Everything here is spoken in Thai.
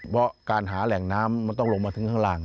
เพราะการหาแหล่งน้ำมันต้องลงมาถึงข้างล่าง